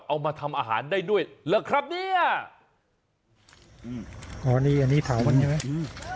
เอามาทำอาหารได้ด้วยหรือครับเนี้ยอ๋อนี่อันนี้ถาวมันอยู่ไหม